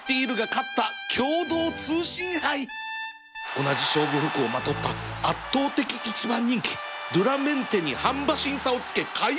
同じ勝負服をまとった圧倒的１番人気ドゥラメンテに半馬身差をつけ快勝